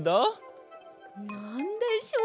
なんでしょう？